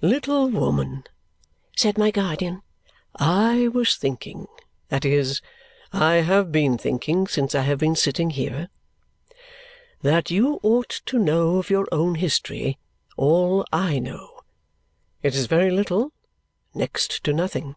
"Little woman," said my guardian, "I was thinking that is, I have been thinking since I have been sitting here that you ought to know of your own history all I know. It is very little. Next to nothing."